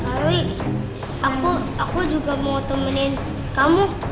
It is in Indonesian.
lalu aku juga mau temenin kamu